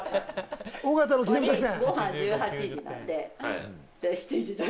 尾形の刻み作戦。